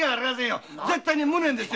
絶対に「無念」です。